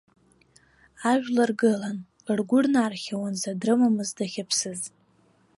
Ажәлар гылан, ргәы рнархьуан зда дрымамыз дахьыԥсыз!